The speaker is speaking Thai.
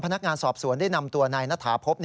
พนักงานสอบสวนได้นำตัวนายณฐาพบ